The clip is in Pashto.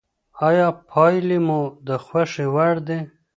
آیا پایلې مو د خوښې وړ دي؟